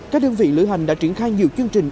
các đơn vị lữ hành đã triển khai nhiều chương trình